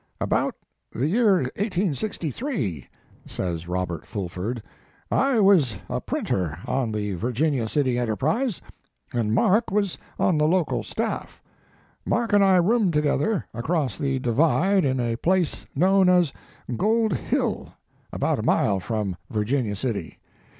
"About the year 1863," says Robert Fulford, "I was a printer on the Virginia City Enterprise, and Mark was on the local staff. Mark and I roomed together across the divide in a place known as Gold Hill, about a mile from Virginia City.